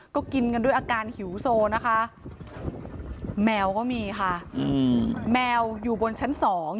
ก็กินกันด้วยอาการหิวโซนะคะแมวก็มีค่ะแมวอยู่บนชั้น๒